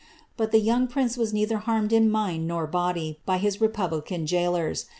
But the young prince larmed in mind nor body by his republican gaolers.